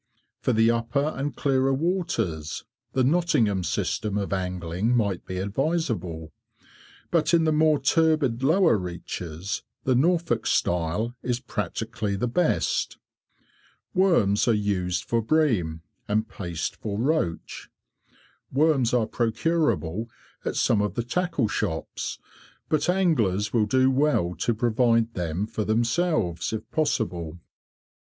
For the upper and clearer waters, the Nottingham system of angling might be advisable, but in the more turbid lower reaches the Norfolk style is practically the best. Worms are used for bream, and paste for roach. Worms are procurable at some of the tackle shops, but anglers will do well to provide them for themselves if possible.